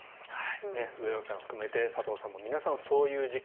上野さん含めて佐藤さんも皆さんそういう時期。